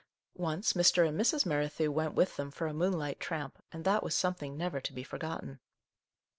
Once, Mr. and Mrs. Merrithew went with them for a moonlight tramp, and that was something never to be forgotten.